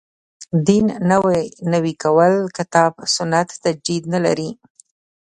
دین نوی کول کتاب سنت تجدید نه لري.